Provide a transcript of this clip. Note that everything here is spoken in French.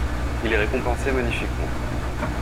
Il est récompensé magnifiquement.